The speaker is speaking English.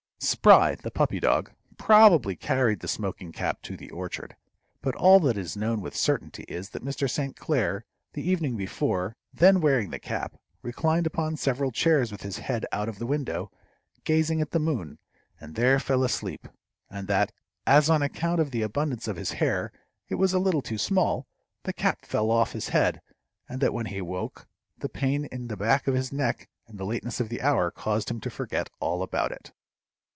Spry, the puppy dog, probably carried the smoking cap to the orchard; but all that is known with certainty is that Mr. St. Clair, the evening before, then wearing the cap, reclined upon several chairs with his head out of the window, gazing at the moon, and there fell asleep, and that, as on account of the abundance of his hair it was a little too small, the cap fell off his head, and that when he awoke the pain in the back of his neck and the lateness of the hour caused him to forget all about it.